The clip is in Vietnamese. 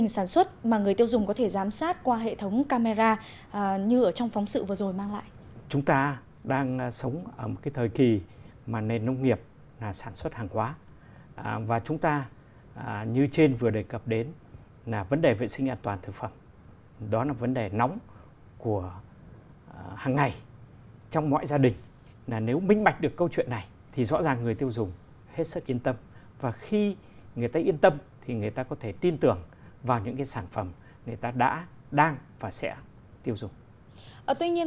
sang một nền sản xuất hàng hóa với mục tiêu vệ sinh an toàn thực phẩm đã đặt trên hết